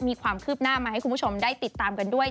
มีความคืบหน้ามาให้คุณผู้ชมได้ติดตามกันด้วย